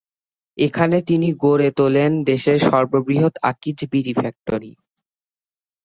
এখানে তিনি গড়ে তোলেন দেশের সর্ববৃহৎ আকিজ বিড়ি ফ্যাক্টরি।